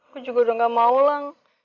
gue juga udah gak mau lang